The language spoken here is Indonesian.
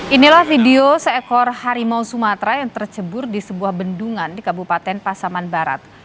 inilah video seekor harimau sumatera yang tercebur di sebuah bendungan di kabupaten pasaman barat